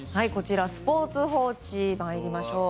スポーツ報知に参りましょう。